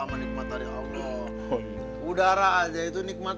berkhidmat keperci dudung mah